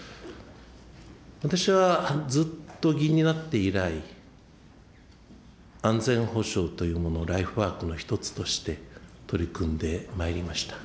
私はずっと議員になって以来、安全保障というものをライフワークの一つとして取り組んでまいりました。